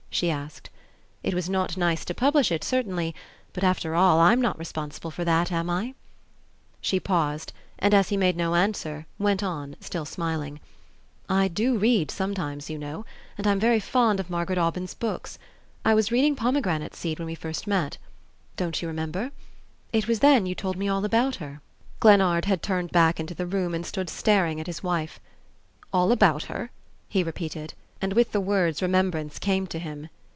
she asked. "It was not nice to publish it, certainly; but after all, I'm not responsible for that, am I?" She paused, and, as he made no answer, went on, still smiling, "I do read sometimes, you know; and I'm very fond of Margaret Aubyn's books. I was reading 'Pomegranate Seed' when we first met. Don't you remember? It was then you told me all about her." Glennard had turned back into the room and stood staring at his wife. "All about her?" he repeated, and with the words remembrance came to him.